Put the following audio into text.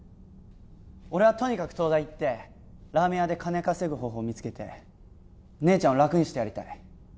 俺はとにかく東大行ってラーメン屋で金稼ぐ方法見つけて姉ちゃんを楽にしてやりたい